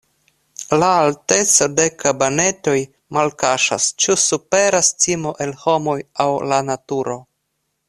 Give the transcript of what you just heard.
La alteco de kabanetoj malkaŝas, ĉu superas timo el homoj aŭ la naturo.